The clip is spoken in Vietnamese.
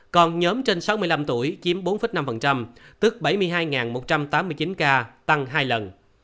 còn nhóm trên sáu mươi năm tuổi chiếm bốn năm tức bảy mươi hai một trăm tám mươi chín ca tăng hai lần